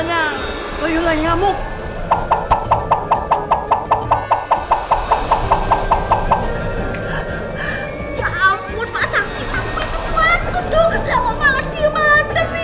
gak mau lagi macam itu